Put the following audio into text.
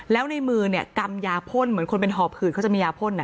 แล้วในมือกำยาพ่นเหมือนคนเป็นหอพขึดเขามียาพ่น